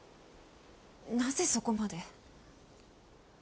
なぜそこまで？